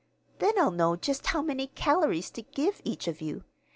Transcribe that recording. "Then I'll know just how many calories to give each of you.